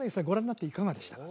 ご覧になっていかがでしたか？